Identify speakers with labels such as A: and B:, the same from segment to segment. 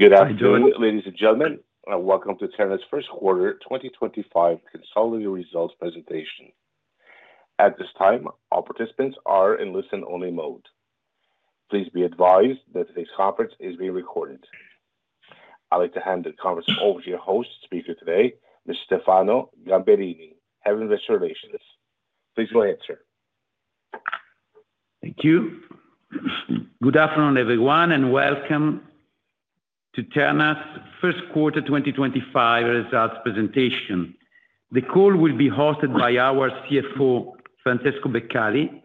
A: Good afternoon, ladies and gentlemen. Welcome to Terna's first quarter 2025 consolidated results presentation. At this time, all participants are in listen-only mode. Please be advised that today's conference is being recorded. I'd like to hand the conference over to your host speaker today, Mr. Stefano Gamberini, Head of Investor Relations. Please do answer.
B: Thank you. Good afternoon, everyone, and welcome to Terna's first quarter 2025 results presentation. The call will be hosted by our CFO, Francesco Beccali.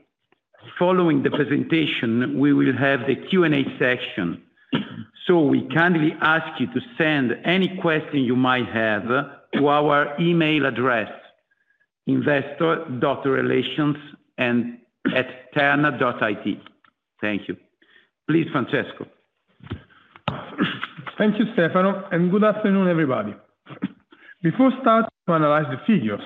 B: Following the presentation, we will have the Q&A section, so we kindly ask you to send any questions you might have to our email address, investor.relations@terna.it. Thank you. Please, Francesco.
C: Thank you, Stefano, and good afternoon, everybody. Before starting to analyze the figures,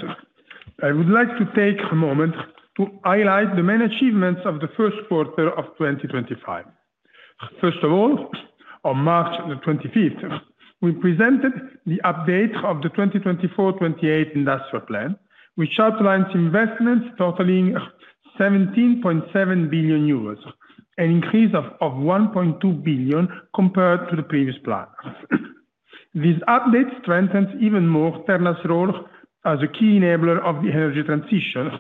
C: I would like to take a moment to highlight the main achievements of the first quarter of 2025. First of all, on March 25th, we presented the update of the 2024-2028 industrial plan, which outlines investments totaling 17.7 billion euros, an increase of 1.2 billion compared to the previous plan. This update strengthens even more Terna's role as a key enabler of the energy transition,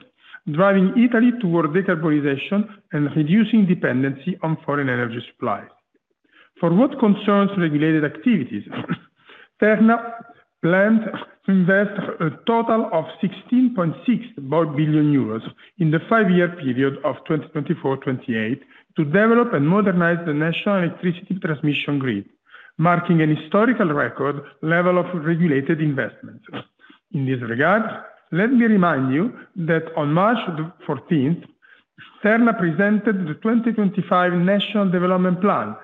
C: driving Italy toward decarbonization and reducing dependency on foreign energy supplies. For what concerns regulated activities, Terna planned to invest a total of 16.6 billion euros in the five-year period of 2024-2028 to develop and modernize the national electricity transmission grid, marking a historical record level of regulated investments. In this regard, let me remind you that on March 14th, Terna presented the 2025 National Development Plan,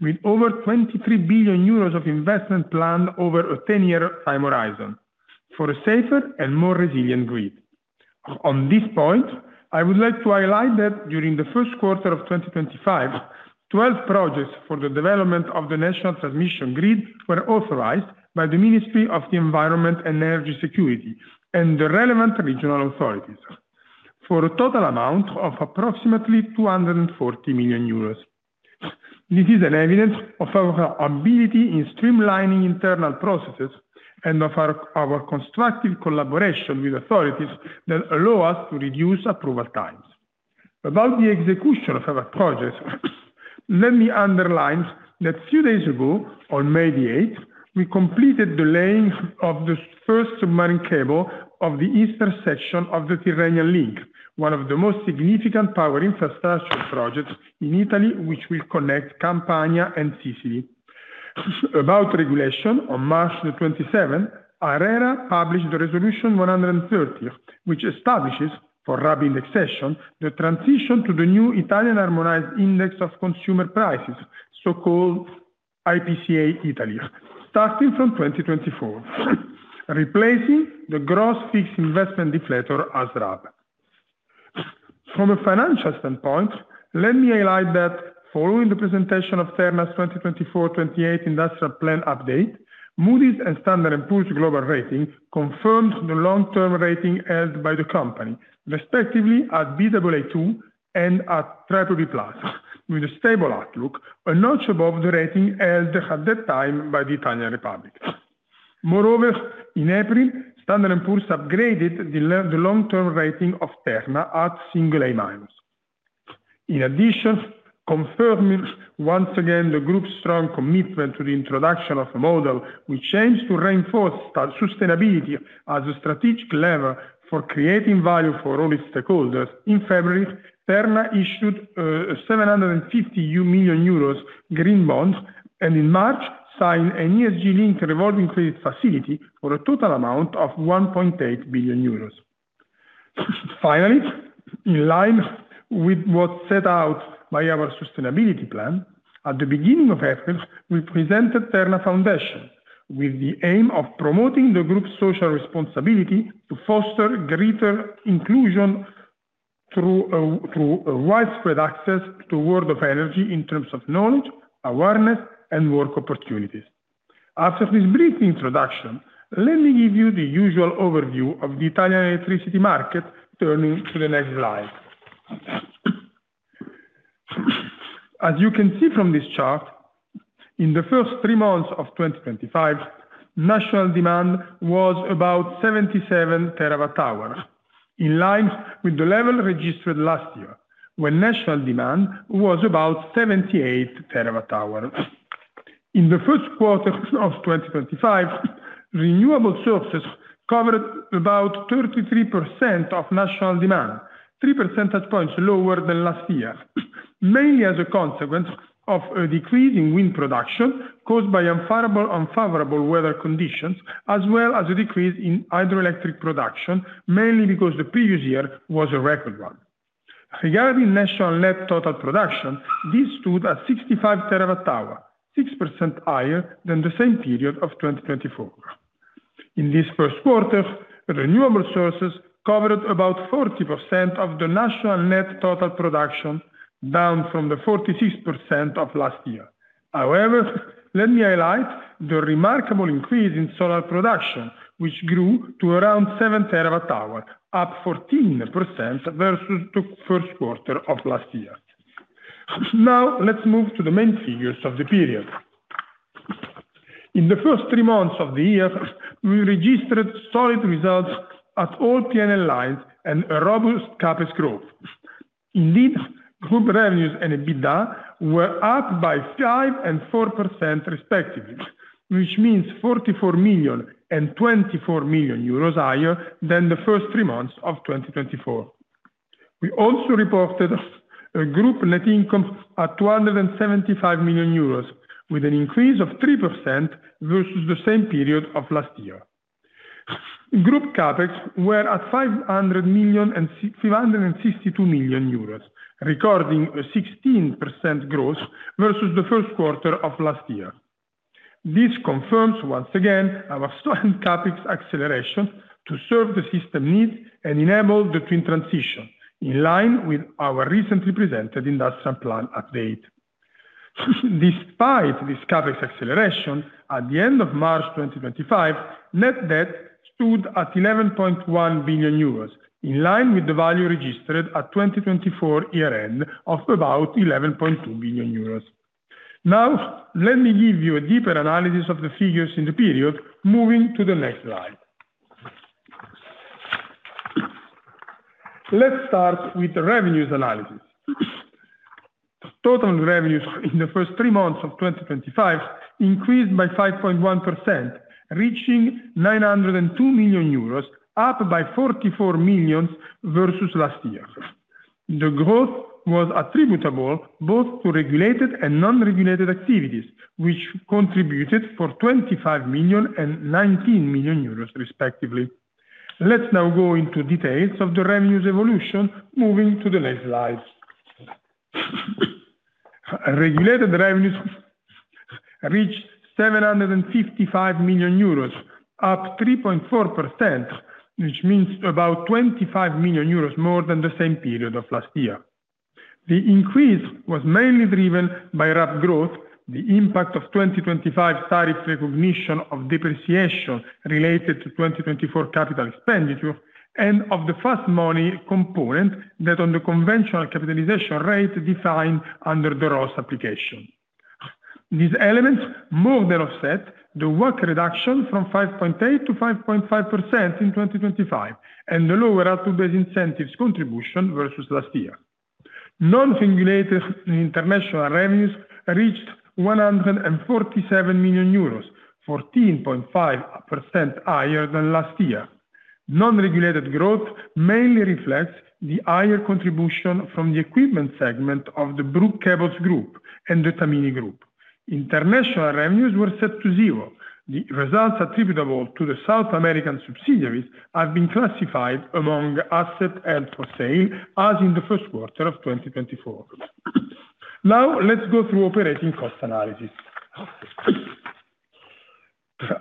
C: with over 23 billion euros of investment planned over a 10-year time horizon for a safer and more resilient grid. On this point, I would like to highlight that during the first quarter of 2025, 12 projects for the development of the national transmission grid were authorized by the Ministry of the Environment and Energy Security and the relevant regional authorities for a total amount of approximately 240 million euros. This is an evidence of our ability in streamlining internal processes and of our constructive collaboration with authorities that allow us to reduce approval times. About the execution of our projects, let me underline that a few days ago, on May the 8th, we completed the laying of the first submarine cable of the eastern section of the Tyrrhenian Link, one of the most significant power infrastructure projects in Italy, which will connect Campania and Sicily. About regulation, on March the 27th, ARERA published the Resolution 130, which establishes, for RAB indexation, the transition to the new Italian Harmonized Index of Consumer Prices, so-called IPCA Italy, starting from 2024, replacing the gross fixed investment deflator as RAB. From a financial standpoint, let me highlight that following the presentation of Terna's 2024-2028 industrial plan update, Moody's and Standard & Poor's Global Rating confirmed the long-term rating held by the company, respectively at Baa2 and at Triple B Plus, with a stable outlook, a notch above the rating held at that time by the Italian Republic. Moreover, in April, Standard & Poor's upgraded the long-term rating of Terna at single A minus. In addition, confirming once again the group's strong commitment to the introduction of a model which aims to reinforce sustainability as a strategic lever for creating value for all its stakeholders, in February, Terna issued 750 million euros green bonds and in March signed an ESG Link revolving credit facility for a total amount of 1.8 billion euros. Finally, in line with what's set out by our sustainability plan, at the beginning of April, we presented Terna Foundation with the aim of promoting the group's social responsibility to foster greater inclusion through widespread access to the world of energy in terms of knowledge, awareness, and work opportunities. After this brief introduction, let me give you the usual overview of the Italian electricity market, turning to the next slide. As you can see from this chart, in the first three months of 2025, national demand was about 77 terawatt-hours, in line with the level registered last year, when national demand was about 78 terawatt-hours. In the first quarter of 2025, renewable sources covered about 33% of national demand, 3 percentage points lower than last year, mainly as a consequence of a decrease in wind production caused by unfavorable weather conditions, as well as a decrease in hydroelectric production, mainly because the previous year was a record one. Regarding national net total production, this stood at 65 terawatt-hours, 6% higher than the same period of 2024. In this first quarter, renewable sources covered about 40% of the national net total production, down from the 46% of last year. However, let me highlight the remarkable increase in solar production, which grew to around 7 terawatt-hours, up 14% versus the first quarter of last year. Now, let's move to the main figures of the period. In the first three months of the year, we registered solid results at all P&L lines and a robust CapEx growth. Indeed, group revenues and EBITDA were up by 5% and 4%, respectively, which means 44 million and 24 million euros higher than the first three months of 2024. We also reported a group net income at 275 million euros, with an increase of 3% versus the same period of last year. Group CapEx were at 562 million euros, recording a 16% growth versus the first quarter of last year. This confirms once again our strong CapEx acceleration to serve the system needs and enable the twin transition, in line with our recently presented industrial plan update. Despite this CapEx acceleration, at the end of March 2025, net debt stood at 11.1 billion euros, in line with the value registered at 2024 year-end of about 11.2 billion euros. Now, let me give you a deeper analysis of the figures in the period, moving to the next slide. Let's start with revenues analysis. Total revenues in the first three months of 2025 increased by 5.1%, reaching 902 million euros, up by 44 million versus last year. The growth was attributable both to regulated and non-regulated activities, which contributed for 25 million and 19 million euros, respectively. Let's now go into details of the revenues evolution, moving to the next slide. Regulated revenues reached 755 million euros, up 3.4%, which means about 25 million euros more than the same period of last year. The increase was mainly driven by rapid growth, the impact of 2025 tariff recognition of depreciation related to 2024 capital expenditure, and of the fast money component that on the conventional capitalization rate defined under the ROS application. These elements more than offset the WACC reduction from 5.8% to 5.5% in 2025 and the lower out-of-base incentives contribution versus last year. Non-regulated international revenues reached 147 million euros, 14.5% higher than last year. Non-regulated growth mainly reflects the higher contribution from the equipment segment of the Brugg Cables Group and the Tamini Group. International revenues were set to zero. The results attributable to the South American subsidiaries have been classified among assets held for sale as in the first quarter of 2024. Now, let's go through operating cost analysis.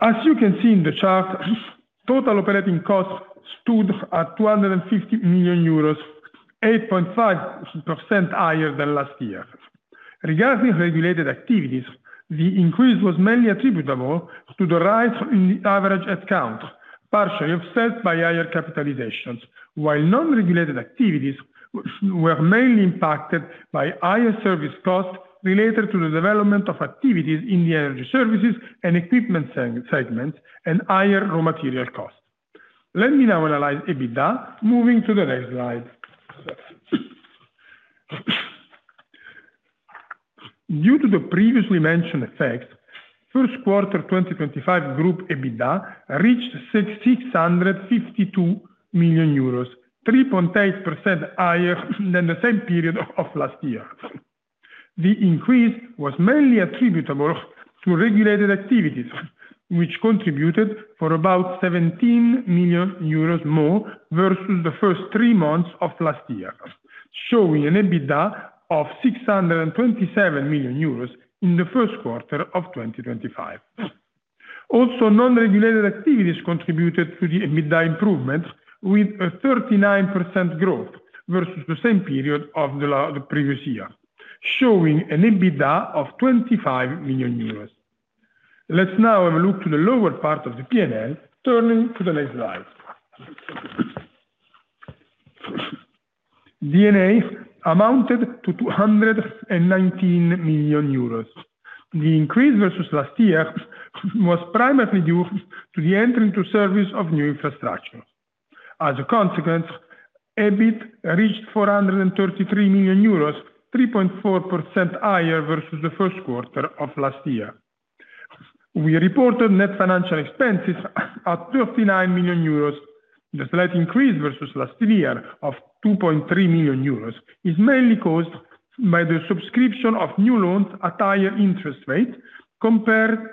C: As you can see in the chart, total operating costs stood at 250 million euros, 8.5% higher than last year. Regarding regulated activities, the increase was mainly attributable to the rise in the average headcount, partially offset by higher capitalizations, while non-regulated activities were mainly impacted by higher service costs related to the development of activities in the energy services and equipment segments and higher raw material costs. Let me now analyze EBITDA, moving to the next slide. Due to the previously mentioned effects, first quarter 2025 group EBITDA reached 652 million euros, 3.8% higher than the same period of last year. The increase was mainly attributable to regulated activities, which contributed for about 17 million euros more versus the first three months of last year, showing an EBITDA of 627 million euros in the first quarter of 2025. Also, non-regulated activities contributed to the EBITDA improvement with a 39% growth versus the same period of the previous year, showing an EBITDA of 25 million euros. Let's now have a look to the lower part of the P&L, turning to the next slide. D&A amounted to 219 million euros. The increase versus last year was primarily due to the entry into service of new infrastructure. As a consequence, EBIT reached 433 million euros, 3.4% higher versus the first quarter of last year. We reported net financial expenses at 39 million euros. The slight increase versus last year of 2.3 million euros is mainly caused by the subscription of new loans at higher interest rates compared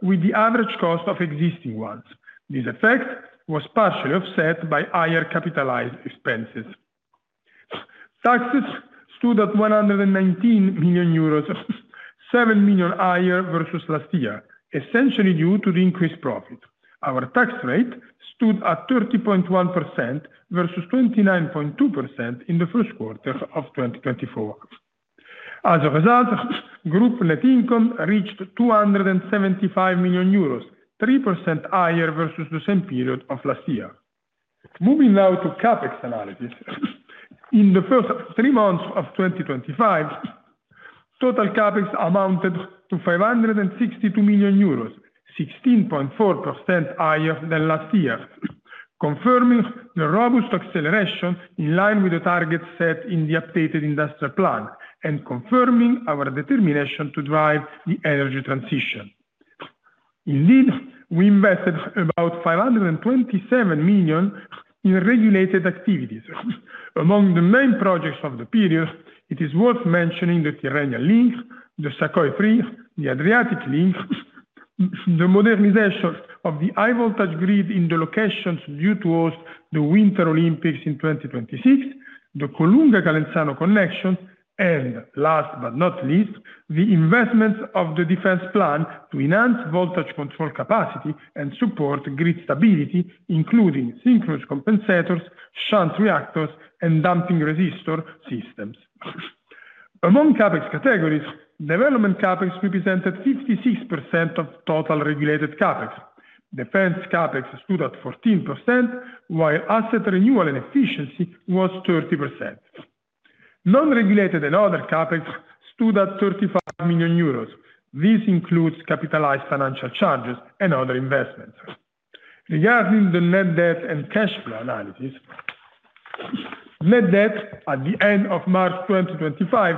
C: with the average cost of existing ones. This effect was partially offset by higher capitalized expenses. Taxes stood at 119 million euros, 7 million higher versus last year, essentially due to the increased profit. Our tax rate stood at 30.1% versus 29.2% in the first quarter of 2024. As a result, group net income reached 275 million euros, 3% higher versus the same period of last year. Moving now to CapEx analysis. In the first three months of 2025, total CapEx amounted to 562 million euros, 16.4% higher than last year, confirming the robust acceleration in line with the targets set in the updated industrial plan and confirming our determination to drive the energy transition. Indeed, we invested about 527 million in regulated activities. Among the main projects of the period, it is worth mentioning the Tyrrhenian Link, the Sa.Co.I.3 I, the Adriatic Link, the modernization of the high-voltage grid in the locations due to host the Winter Olympics in 2026, the Colunga-Calenzano connection, and last but not least, the investments of the defense plan to enhance voltage control capacity and support grid stability, including synchronous compensators, shunt reactors, and damping resistor systems. Among CapEx categories, development CapEx represented 56% of total regulated Capex. Defense CapEx stood at 14%, while asset renewal and efficiency was 30%. Non-regulated and other Capex stood at 35 million euros. This includes capitalized financial charges and other investments. Regarding the net debt and cash flow analysis, net debt at the end of March 2025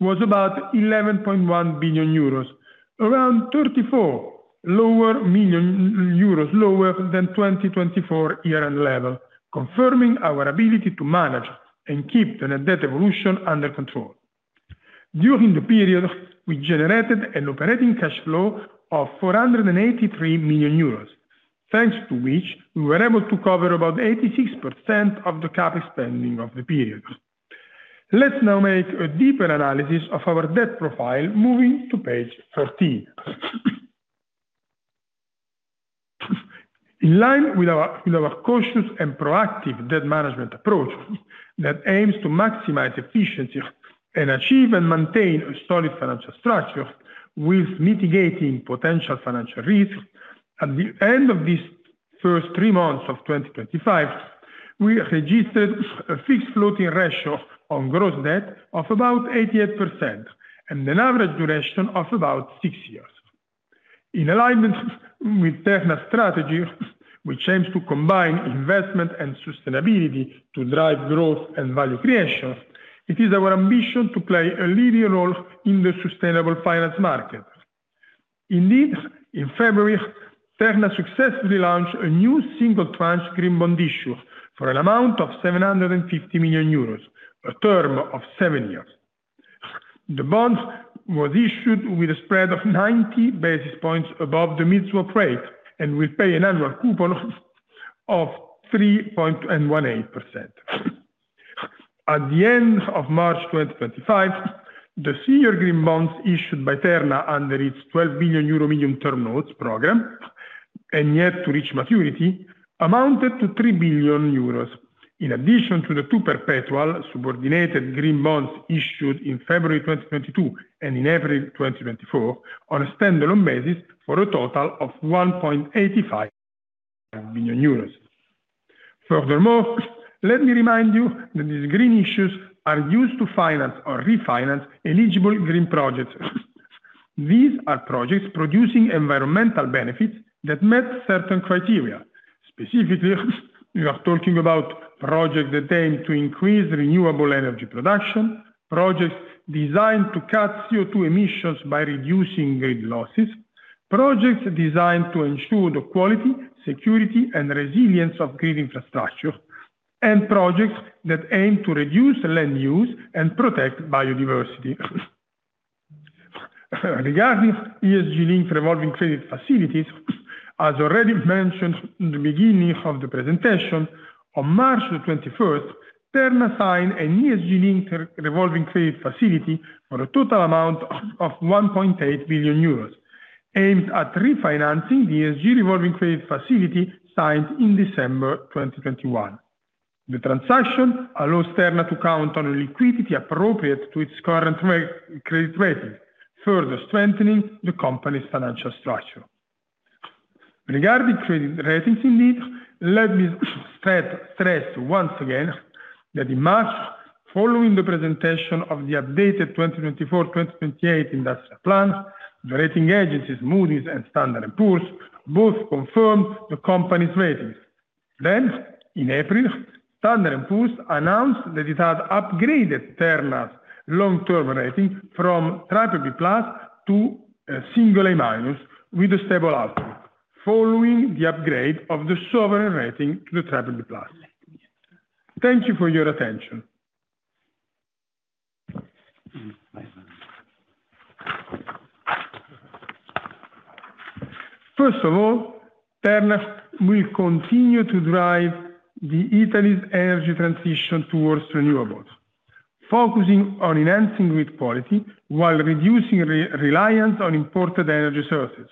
C: was about 11.1 billion euros, around 34 million euros lower than the 2024 year-end level, confirming our ability to manage and keep the net debt evolution under control. During the period, we generated an operating cash flow of 483 million euros, thanks to which we were able to cover about 86% of the CapEx spending of the period. Let's now make a deeper analysis of our debt profile, moving to page 13. In line with our cautious and proactive debt management approach that aims to maximize efficiency and achieve and maintain a solid financial structure with mitigating potential financial risks, at the end of these first three months of 2025, we registered a fixed floating ratio on gross debt of about 88% and an average duration of about six years. In alignment with Terna's strategy, which aims to combine investment and sustainability to drive growth and value creation, it is our ambition to play a leading role in the sustainable finance market. Indeed, in February, Terna successfully launched a new single tranche green bond issue for an amount of 750 million euros, a term of seven years. The bond was issued with a spread of 90 basis points above the mid swap rate and will pay an annual coupon of 3.18%. At the end of March 2025, the senior green bonds issued by Terna under its 12 million euro medium term notes program and yet to reach maturity amounted to 3 billion euros. In addition to the two perpetual subordinated green bonds issued in February 2022 and in April 2024 on a standalone basis for a total of 1.85 billion euros. Furthermore, let me remind you that these green issues are used to finance or refinance eligible green projects. These are projects producing environmental benefits that met certain criteria. Specifically, we are talking about projects that aim to increase renewable energy production, projects designed to cut CO2 emissions by reducing grid losses, projects designed to ensure the quality, security, and resilience of grid infrastructure, and projects that aim to reduce land use and protect biodiversity. Regarding ESG Link revolving credit facilities, as already mentioned in the beginning of the presentation, on March 21, Terna signed an ESG Link revolving credit facility for a total amount of 1.8 billion euros, aimed at refinancing the ESG revolving credit facility signed in December 2021. The transaction allows Terna to count on a liquidity appropriate to its current credit rating, further strengthening the company's financial structure. Regarding credit ratings, indeed, let me stress once again that in March, following the presentation of the updated 2024-2028 industrial plan, the rating agencies Moody's and Standard & Poor's both confirmed the company's ratings. In April, Standard & Poor's announced that it had upgraded Terna's long-term rating from Triple B plus to a single A minus with a stable outcome, following the upgrade of the sovereign rating to the Triple B plus. Thank you for your attention. First of all, Terna will continue to drive Italy's energy transition towards renewables, focusing on enhancing grid quality while reducing reliance on imported energy sources.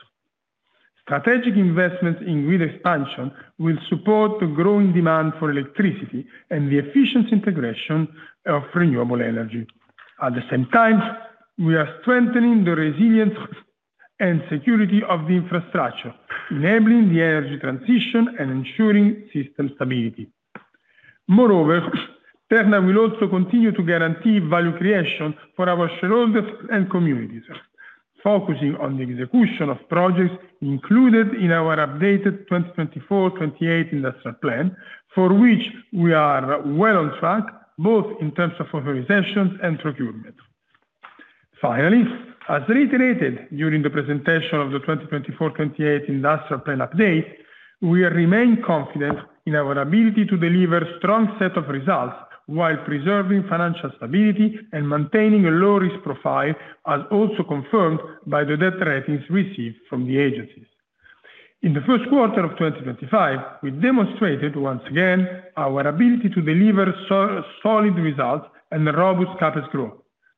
C: Strategic investments in grid expansion will support the growing demand for electricity and the efficient integration of renewable energy. At the same time, we are strengthening the resilience and security of the infrastructure, enabling the energy transition and ensuring system stability. Moreover, Terna will also continue to guarantee value creation for our shareholders and communities, focusing on the execution of projects included in our updated 2024-2028 industrial plan, for which we are well on track, both in terms of authorizations and procurement. Finally, as reiterated during the presentation of the 2024-2028 industrial plan update, we remain confident in our ability to deliver a strong set of results while preserving financial stability and maintaining a low-risk profile, as also confirmed by the debt ratings received from the agencies. In the first quarter of 2025, we demonstrated once again our ability to deliver solid results and robust CapEx growth.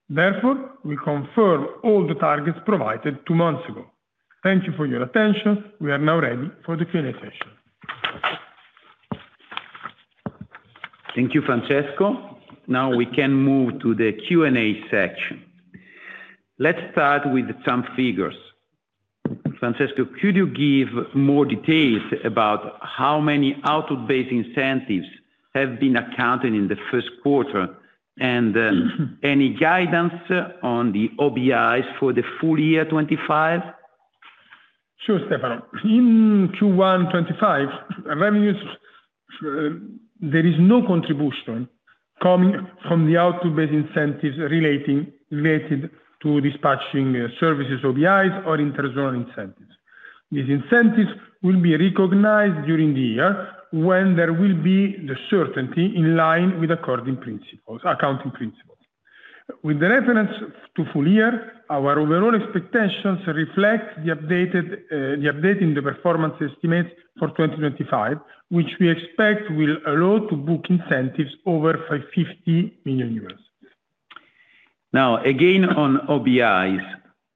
C: Therefore, we confirm all the targets provided two months ago. Thank you for your attention. We are now ready for the Q&A session.
B: Thank you, Francesco. Now we can move to the Q&A section. Let's start with some figures. Francesco, could you give more details about how many out-of-base incentives have been accounted in the first quarter and any guidance on the OBIs for the full year 2025?
C: Sure, Stefano. In Q1 2025, revenues, there is no contribution coming from the out-of-base incentives related to dispatching services, OBIs, or interzonal incentives. These incentives will be recognized during the year when there will be the certainty in line with accounting principles. With the reference to full year, our overall expectations reflect the updating the performance estimates for 2025, which we expect will allow to book incentives over 50 million euros. Now, again on OBIs,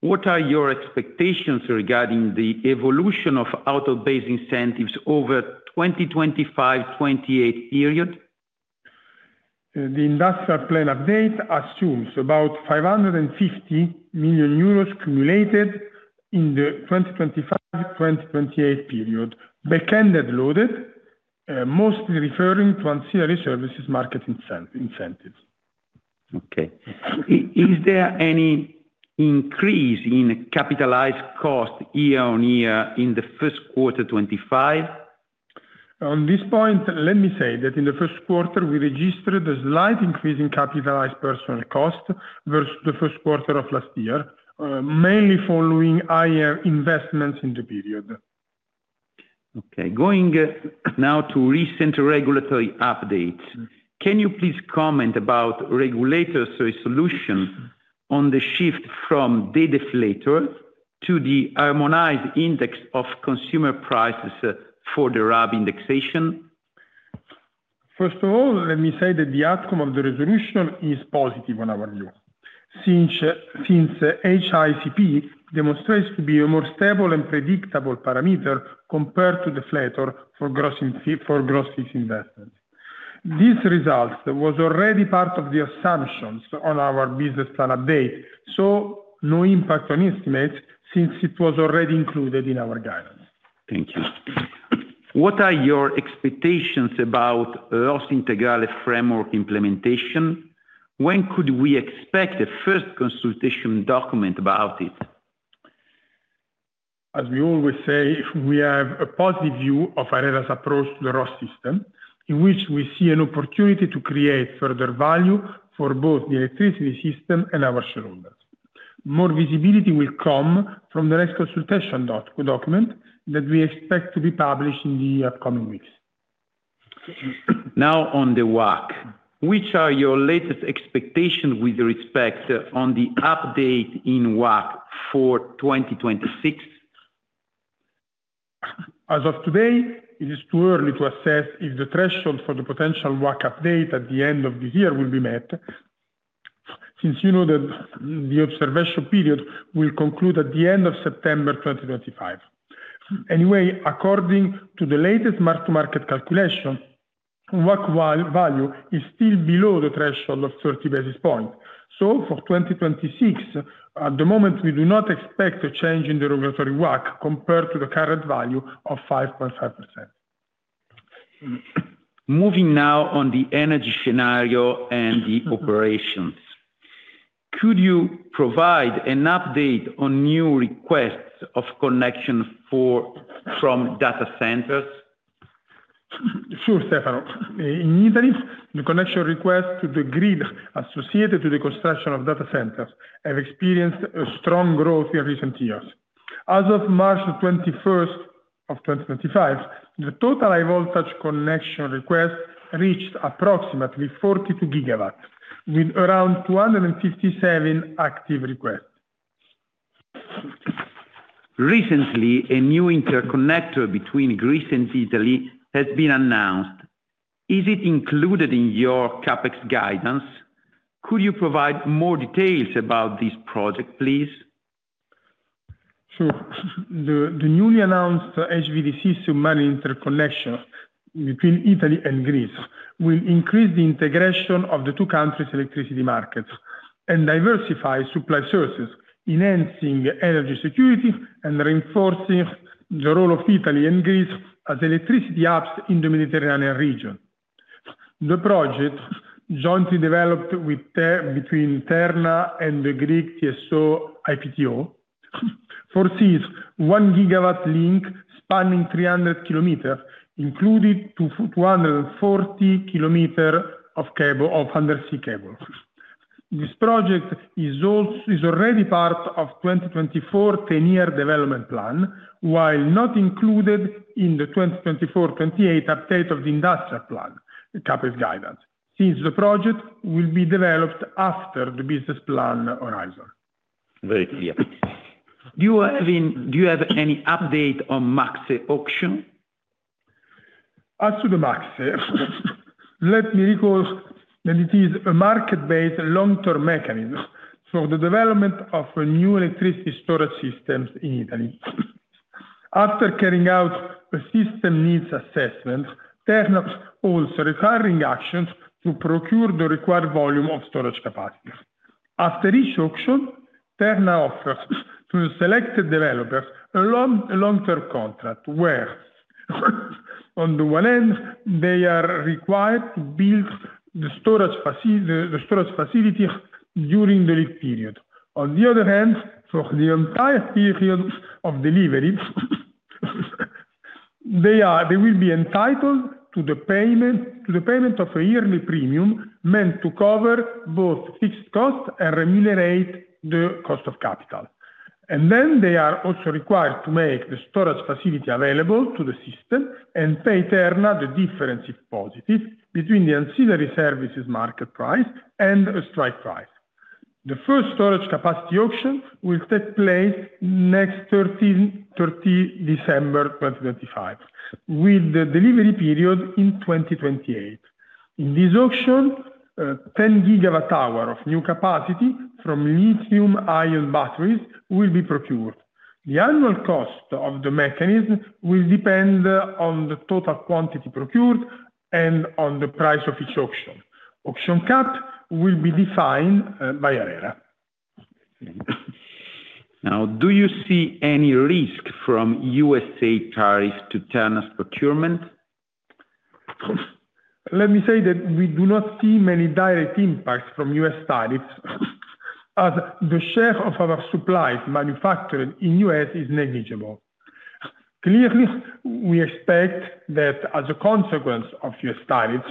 C: what are your expectations regarding the evolution of out-of-base incentives over the 2025-2028 period? The industrial plan update assumes about 550 million euros cumulated in the 2025-2028 period, back-ended loaded, mostly referring to ancillary services market incentives. Okay. Is there any increase in capitalized cost year-on-year in the first quarter 2025? On this point, let me say that in the first quarter, we registered a slight increase in capitalized personnel cost versus the first quarter of last year, mainly following higher investments in the period. Okay. Going now to recent regulatory updates, can you please comment about regulators' resolution on the shift from deflator to the harmonized index of consumer prices for the RAB indexation? First of all, let me say that the outcome of the resolution is positive in our view, since HICP demonstrates to be a more stable and predictable parameter compared to deflator for gross fixed investments. This result was already part of the assumptions on our business plan update, so no impact on estimates since it was already included in our guidance. Thank you. What are your expectations about ROS Integrale framework implementation? When could we expect a first consultation document about it? As we always say, we have a positive view of ARERA's approach to the ROS system, in which we see an opportunity to create further value for both the electricity system and our shareholders. More visibility will come from the next consultation document that we expect to be published in the upcoming weeks. Now, on the WACC, what are your latest expectations with respect to the update in WACC for 2026? As of today, it is too early to assess if the threshold for the potential WACC update at the end of this year will be met, since you know that the observation period will conclude at the end of September 2025. Anyway, according to the latest mark-to-market calculation, WACC value is still below the threshold of 30 basis points. For 2026, at the moment, we do not expect a change in the regulatory WACC compared to the current value of 5.5%.
B: Moving now on the energy scenario and the operations. Could you provide an update on new requests of connection from data centers? Sure, Stefano. In Italy, the connection requests to the grid associated with the construction of data centers have experienced a strong growth in recent years. As of March 21st of 2025, the total high-voltage connection request reached approximately 42 gigawatts, with around 257 active requests. Recently, a new interconnector between Greece and Italy has been announced. Is it included in your CapEx guidance? Could you provide more details about this project, please? Sure.
C: The newly announced HVDC-Sumani interconnection between Italy and Greece will increase the integration of the two countries' electricity markets and diversify supply sources, enhancing energy security and reinforcing the role of Italy and Greece as electricity hubs in the Mediterranean region. The project, jointly developed between Terna and the Greek TSO IPTO, foresees one gigawatt link spanning 300 km, including 240 km of undersea cable. This project is already part of the 2024-10-year development plan, while not included in the 2024- 28 update of the industrial plan CapEx guidance, since the project will be developed after the business plan horizon. Very clear. Do you have any update on MACSE auction? As to the MACSE, let me recall that it is a market-based long-term mechanism for the development of new electricity storage systems in Italy. After carrying out a system needs assessment, Terna also requires reactions to procure the required volume of storage capacity. After each auction, Terna offers to selected developers a long-term contract, where, on the one end, they are required to build the storage facility during the lead period. On the other hand, for the entire period of delivery, they will be entitled to the payment of a yearly premium meant to cover both fixed costs and remunerate the cost of capital. They are also required to make the storage facility available to the system and pay Terna the difference, if positive, between the ancillary services market price and a strike price. The first storage capacity auction will take place next 13 December 2025, with the delivery period in 2028. In this auction, 10 gigawatt-hour of new capacity from lithium-ion batteries will be procured. The annual cost of the mechanism will depend on the total quantity procured and on the price of each auction. Auction cap will be defined by ARERA. Now, do you see any risk from U.S. tariffs to Terna's procurement? Let me say that we do not see many direct impacts from U.S. tariffs, as the share of our supplies manufactured in the U.S. is negligible. Clearly, we expect that, as a consequence of U.S. tariffs,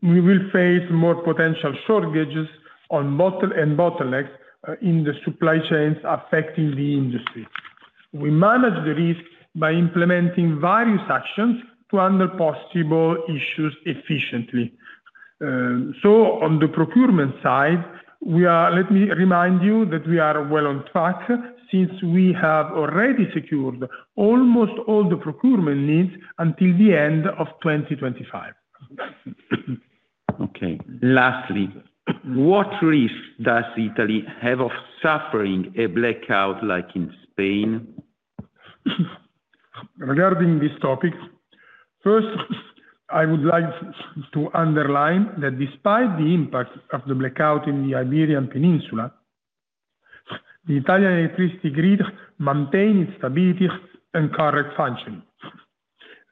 C: we will face more potential shortages and bottlenecks in the supply chains affecting the industry. We manage the risk by implementing various actions to handle possible issues efficiently. On the procurement side, let me remind you that we are well on track since we have already secured almost all the procurement needs until the end of 2025. Okay. Lastly, what risk does Italy have of suffering a blackout like in Spain? Regarding this topic, first, I would like to underline that despite the impact of the blackout in the Iberian Peninsula, the Italian electricity grid maintains its stability and correct functioning.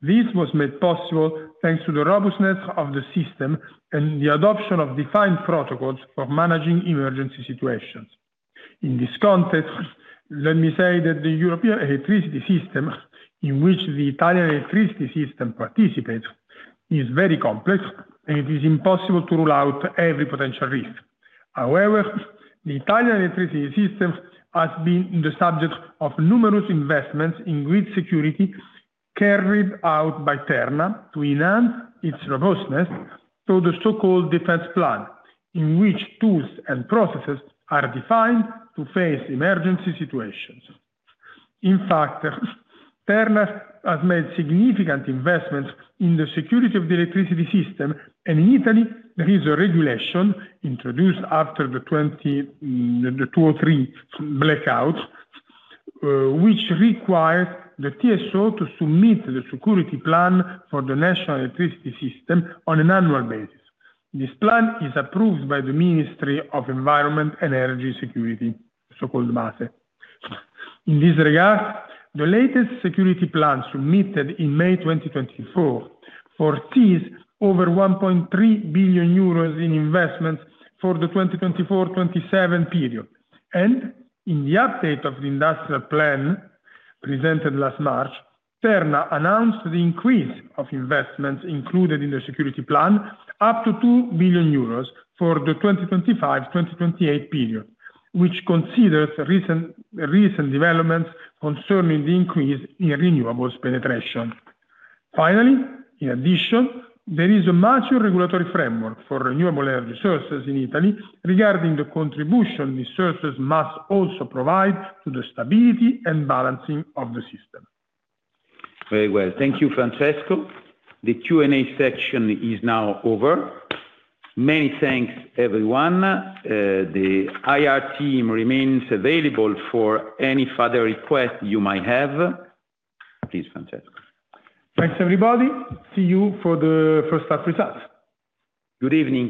C: This was made possible thanks to the robustness of the system and the adoption of defined protocols for managing emergency situations. In this context, let me say that the European electricity system, in which the Italian electricity system participates, is very complex, and it is impossible to rule out every potential risk. However, the Italian electricity system has been the subject of numerous investments in grid security carried out by Terna to enhance its robustness through the so-called defense plan, in which tools and processes are defined to face emergency situations. In fact, Terna has made significant investments in the security of the electricity system, and in Italy, there is a regulation introduced after the 2022-2023 blackouts, which requires the TSO to submit the security plan for the national electricity system on an annual basis. This plan is approved by the Ministry of Environment and Energy Security, so-called MASE. In this regard, the latest security plan submitted in May 2024 foresees over 1.3 billion euros in investments for the 2024-2027 period. In the update of the industrial plan presented last March, Terna announced the increase of investments included in the security plan up to 2 billion euros for the 2025-2028 period, which considers recent developments concerning the increase in renewables penetration. Finally, in addition, there is a major regulatory framework for renewable energy sources in Italy regarding the contribution these sources must also provide to the stability and balancing of the system. Very well. Thank you, Francesco. The Q&A section is now over. Many thanks, everyone. The IR team remains available for any further requests you might have. Please, Francesco. Thanks, everybody. See you for the first-half results. Good evening.